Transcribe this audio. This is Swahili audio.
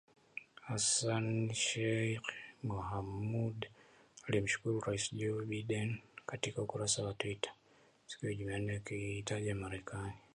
Hassan Sheikh Mohamud alimshukuru Rais Joe Biden katika ukurasa wa Twita siku ya Jumanne akiitaja Marekani